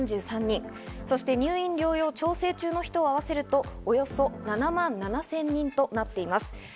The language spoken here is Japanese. そして入院療養調整中の人は合わせるとおよそ７万７０００人となっています。